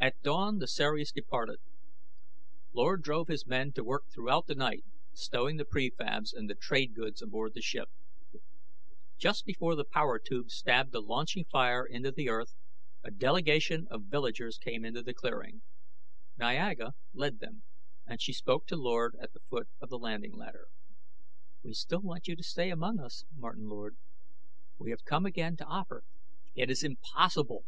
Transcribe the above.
At dawn the Ceres departed. Lord drove his men to work throughout the night stowing the prefabs and the trade goods aboard the ship. Just before the power tubes stabbed the launching fire into the earth, a delegation of villagers came into the clearing. Niaga led them and she spoke to Lord at the foot of the landing ladder. "We still want you to stay among us, Martin Lord; we have come again to offer " "It is impossible!"